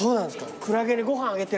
クラゲにご飯あげてる。